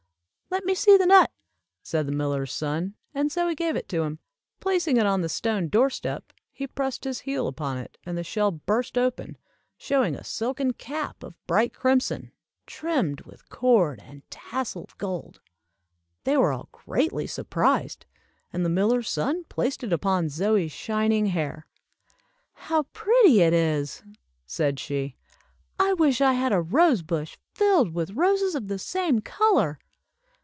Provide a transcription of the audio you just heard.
"Let me see the nut," said the miller's son, and Zoie gave it to him. Placing it upon the stone door step, he pressed his heel upon it, and the shell burst open, showing a silken cap of bright crimson, trimmed with cord, and tassel of gold. They were all greatly surprised, and the miller's son placed it upon Zoie's shining hair. "How pretty it is," said she. "I wish I had a rose bush filled with roses of the same color."